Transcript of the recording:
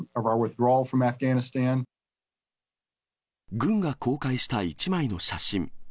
軍が公開した一枚の写真。